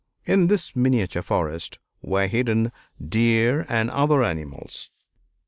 In this miniature forest were hidden deer and other animals.